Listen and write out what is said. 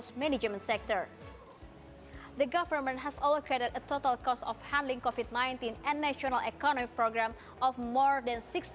pertama tama saya ingin menjelaskan kesempatan covid sembilan belas dan penyelamat ekonomi jakarta